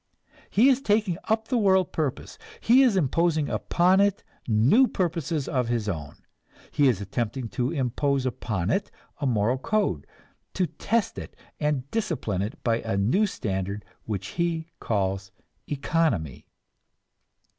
He is taking up the world purpose, he is imposing upon it new purposes of his own, he is attempting to impose upon it a moral code, to test it and discipline it by a new standard which he calls economy.